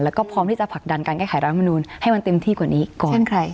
แล้วก็พร้อมที่จะผลักดันการแก้ไขรัฐมนูลให้มันเต็มที่กว่านี้ก่อน